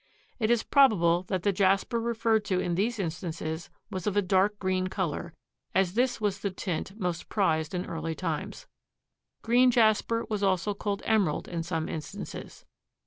It is probable that the jasper referred to in these instances was of a dark green color, as this was the tint most prized in early times. Green jasper was also called emerald in some instances.